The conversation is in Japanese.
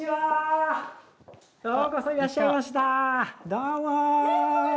どうも！